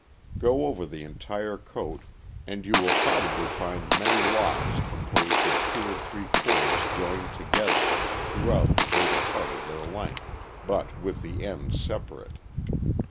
Go over the entire coat, and you will probably find many locks composed of two or three cords joined together throughout the greater part of their length, but with the THE POODLE. 625 ends separate.